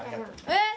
えっ？